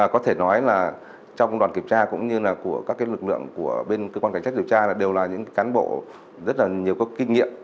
có thể nói là trong đoàn kiểm tra cũng như là của các lực lượng của bên cơ quan cảnh sát điều tra đều là những cán bộ rất là nhiều các kinh nghiệm